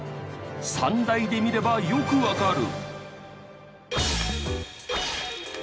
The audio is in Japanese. ３大で見ればよくわかる。